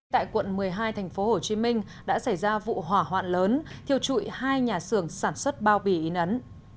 tại quận một mươi hai tp hcm đã xảy ra vụ hỏa hoạn lớn thiêu trụi hai nhà xưởng sản xuất bao bì in ấn